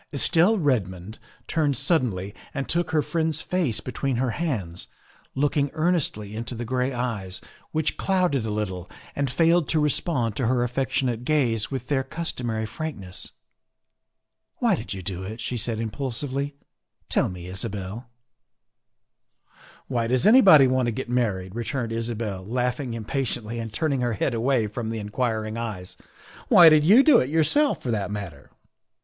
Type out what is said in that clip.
Estelle Redmond turned suddenly and took her friend's face between her hands, looking earnestly into the gray eyes, which clouded a little and failed to respond to her affectionate gaze with their customary frankness. '' Why did you do it ?" she said impulsively ;'' tell me, Isabel." '' Why does anybody want to get married ?'' returned Isabel, laughing impatiently and turning her head away from the inquiring eyes. " Why did you do it your self, for that matter?"